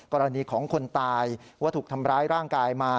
กรณีของคนตายว่าถูกทำร้ายร่างกายมา